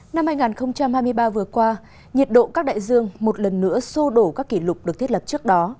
năm hai nghìn hai mươi ba vừa qua nhiệt độ các đại dương một lần nữa sô đổ các kỷ lục được thiết lập trước đó